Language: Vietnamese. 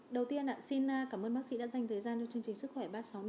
đầu tiên xin cảm ơn bác sĩ đã dành thời gian cho chương trình sức khỏe ba trăm sáu mươi năm